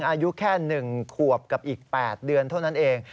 อายุแค่๑ขวบกับอีก๘เดือนเท่านั้นเอง